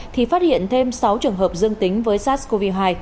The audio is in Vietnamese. thì phát hiện thêm sáu trường hợp dương tính với sars cov hai